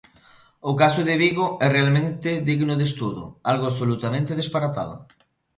O caso de Vigo é realmente digno de estudo, algo absolutamente disparatado.